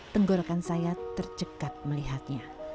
tenggorakan saya tercekat melihatnya